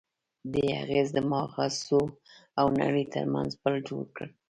دې اغېز د ماغزو او نړۍ ترمنځ پُل جوړ کړ.